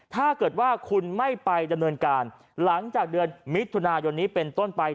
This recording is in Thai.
ถ้าเกิดว่าคุณไม่ไปดำเนินการหลังจากเดือนมิถุนายนนี้เป็นต้นไป